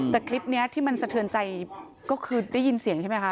แต่คลิปนี้ที่มันสะเทือนใจก็คือได้ยินเสียงใช่ไหมคะ